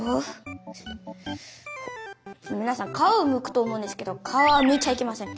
みなさん皮をむくと思うんですけど皮はむいちゃいけません。